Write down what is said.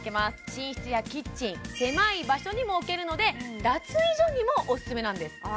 寝室やキッチン狭い場所にも置けるので脱衣所にもおすすめなんですあ